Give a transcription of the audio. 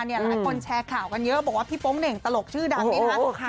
หลายคนแชร์ข่าวกันเยอะบอกว่าพี่ป้องเด่งตลกชื่อดัมนิรัตน์